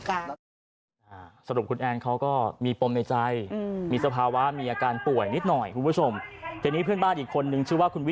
แล้วจะทำยังไงเราก็คนตรงกลาง